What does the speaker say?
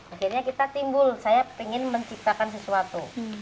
akhirnya kita timbul saya ingin menciptakan sesuatu